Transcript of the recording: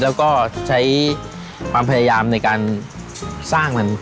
แล้วก็ใช้ความพยายามในการสร้างมัน